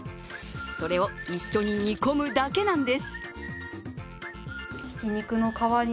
それを一緒に煮込むだけなんです。